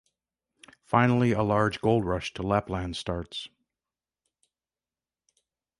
Finally a large gold rush to Lapland starts.